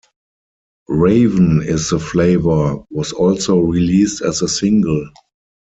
"Raven Is the Flavor" was also released as a single.